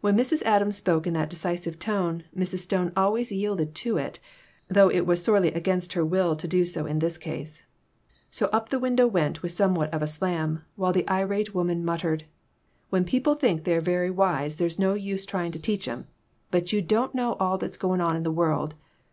When Mrs. Adams spoke in that decisive tone Mrs. Stone always yielded to it, though it was sorely against her will to do so in this case. So up the window went with somewhat of a slam, while the irate woman muttered " When people think they're very wise there is no use trying to teach 'em. But you don't know all that's going on in the world.